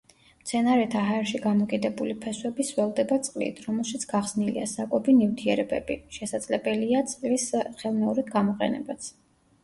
მცენარეთა ჰაერში გამოკიდებული ფესვები სველდება წყლით, რომელშიც გახსნილია საკვები ნივთიერებები; შესაძლებელია წყლის ხელმეორედ გამოყენებაც.